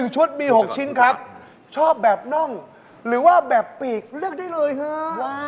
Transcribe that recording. ๑ชุดมี๖ชิ้นชอบแบบน่องหรือแบบปีกเลือกเลยค่ะ